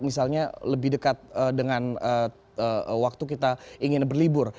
misalnya lebih dekat dengan waktu kita ingin berlibur